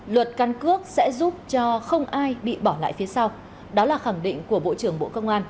luật căn cước sẽ giúp cho không ai bị bỏ lại phía sau đó là khẳng định của bộ trưởng bộ công an